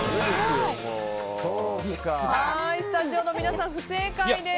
スタジオの皆さん、不正解です。